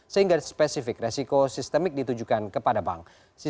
sehingga spesifik resiko sistemik ditujukan kepada bank